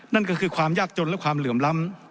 นั่นก็คือความยากจนและความเหลื่อมล้ำ